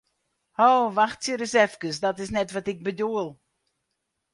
Ho, wachtsje ris efkes, dat is net wat ik bedoel!